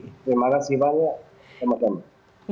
terima kasih banyak sama sama